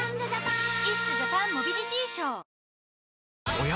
おや？